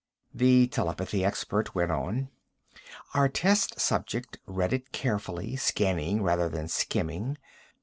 The telepathy expert went on: "Our test subject read it carefully, scanning rather than skimming.